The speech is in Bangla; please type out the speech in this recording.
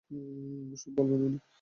সব বলবেন উনি।